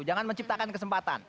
jangan menciptakan kesempatan